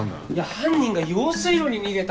犯人が用水路に逃げたんっすよ。